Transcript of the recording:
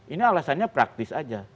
ini alasannya praktis saja